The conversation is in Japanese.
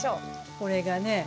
これがね